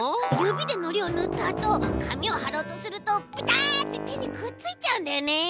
ゆびでのりをぬったあとかみをはろうとするとペタッててにくっついちゃうんだよね。